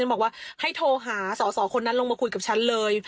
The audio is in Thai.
บอกว่าให้โทรหาสอสอคนนั้นลงมาคุยกับฉันเลย